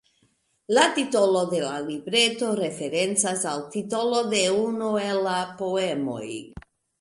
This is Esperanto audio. La titolo de la libreto referencas al titolo de unu el la poemoj.